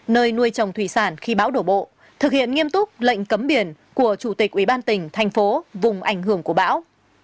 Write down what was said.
nơi nuôi trồng thủy sản khi bão đổ bộ thực hiện nghiêm túc lệnh cấm biển của chủ tịch ủy ban tỉnh thành phố vùng ảnh hưởng của bão